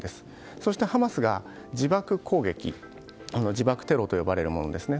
そして、ハマスが自爆攻撃自爆テロと呼ばれるものですね。